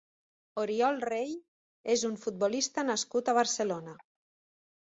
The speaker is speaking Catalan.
Oriol Rey és un futbolista nascut a Barcelona.